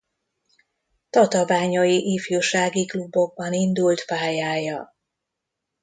Tatabányai ifjúsági klubokban indult pályája.